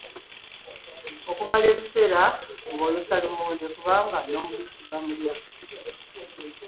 Kumala ebiseera ng'ayokya lumonde kubanga n'omubisi bamulya.